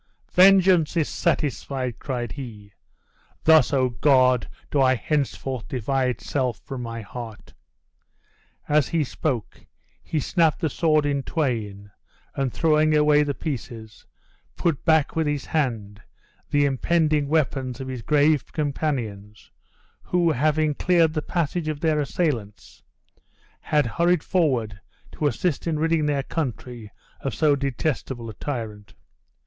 "Vengeance is satisfied," cried he; "thus, O God! do I henceforth divide self from my heart!" As he spoke he snapped the sword in twain, and throwing away the pieces, put back with his hand the impending weapons of his brave companions, who having cleared the passage of their assailants, had hurried forward to assist in ridding their country of so detestable a tyrant.